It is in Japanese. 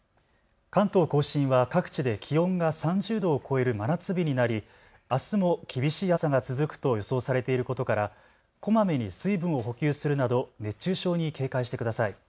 関東甲信は各地で気温が３０度を超える真夏日になりあすも厳しい暑さが続くと予想されていることからこまめに水分を補給するなど熱中症に警戒してください。